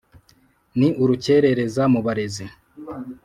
ni urukerereza mu barezi.